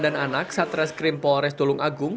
dan anak satreskrim polores tulung agung